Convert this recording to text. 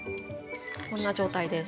こんな状態です。